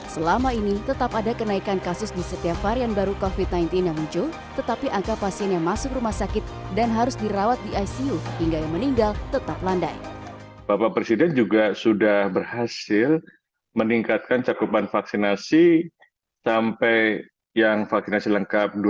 sampai yang vaksinasi lengkap dua kali itu di atas tujuh puluh persen